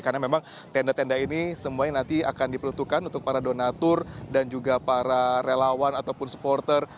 karena memang tenda tenda ini semuanya nanti akan diperlukan untuk para donatur dan juga para relawan ataupun supporter